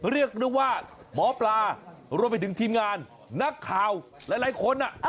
เรียกได้ว่าหมอปลารวมไปถึงทีมงานนักข่าวหลายคน